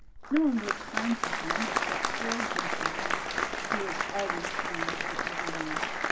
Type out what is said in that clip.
No one was kind to him except poor Dimple, who was always kind to every one.